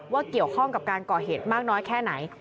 เกี่ยวข้องกับการก่อเหตุมากน้อยแค่ไหน